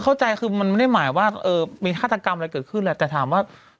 เข้าใจคือมันไม่ได้หมายว่ามีฆาตกรรมอะไรเกิดขึ้นแหละแต่ถามว่า